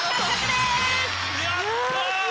やった！